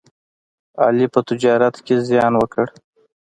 علي په تجارت کې زیان وکړ.